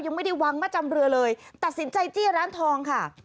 ยังไม่ได้วางมาจำเรือเลยตัดสินใจจี้ร้านทองค่ะ